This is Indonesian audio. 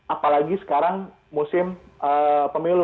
apalagi sekarang musim pemilu